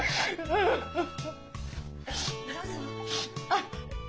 あっ。